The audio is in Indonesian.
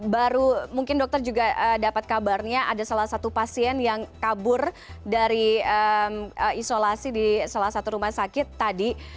baru mungkin dokter juga dapat kabarnya ada salah satu pasien yang kabur dari isolasi di salah satu rumah sakit tadi